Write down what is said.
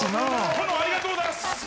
殿ありがとうございます！